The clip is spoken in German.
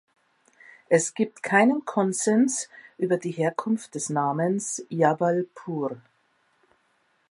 Es gibt keinen Konsens über die Herkunft des Namens "Jabalpur".